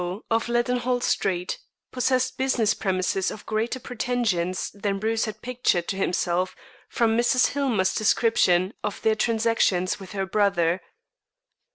of Leadenhall Street, possessed business premises of greater pretensions than Bruce had pictured to himself from Mrs. Hillmer's description of their transactions with her brother.